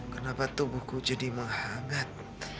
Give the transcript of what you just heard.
kenapa tubuhku jadi menghangat